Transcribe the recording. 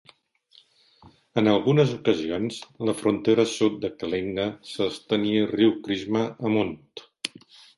En algunes ocasions, la frontera sud de Kalinga s'estenia riu Krishna amunt.